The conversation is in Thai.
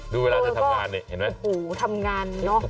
เวลาเธอทำงานเนี่ยเห็นไหมโอ้โหทำงานเนอะ